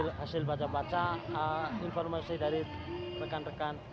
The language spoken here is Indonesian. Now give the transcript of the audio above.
hasil baca baca informasi dari rekan rekan